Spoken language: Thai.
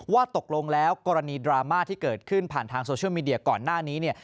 ว่าตกลงแล้วกรณีดราม่าที่เกิดขึ้นผ่านทางโซเชียลมีเดียก่อนหน้านี้เนี่ย